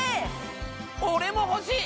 俺も欲しい！